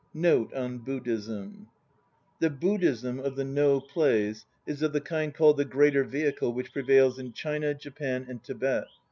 NOTE ON BUDDHISM The Buddhism of the No plays is of the kind called the "Greater Vehicle," which prevails in China, Japan and Tibet.